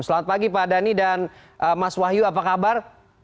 selamat pagi pak dhani dan mas wahyu apa kabar